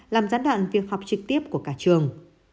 làm gián đoạn việc học trực tiếp của cả trường